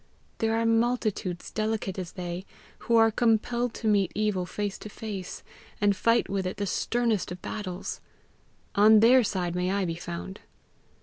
There are multitudes delicate as they, who are compelled to meet evil face to face, and fight with it the sternest of battles: on their side may I be found!